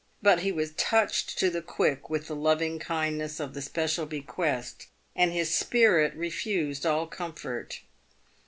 But he was touched to the quick with the loving kindness of the special bequest, and his spirit refused all comfort.